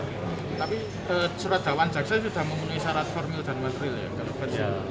tapi suradawan jaksa sudah memenuhi syarat formil dan makril ya